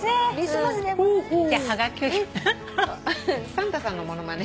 サンタさんの物まね。